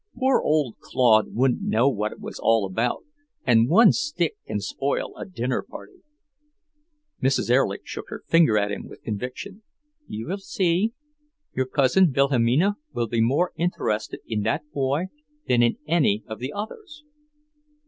"Poor old Claude wouldn't know what it was all about, and one stick can spoil a dinner party." Mrs. Erlich shook her finger at him with conviction. "You will see; your cousin Wilhelmina will be more interested in that boy than in any of the others!"